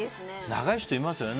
長い人いますよね